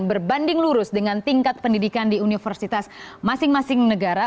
berbanding lurus dengan tingkat pendidikan di universitas masing masing negara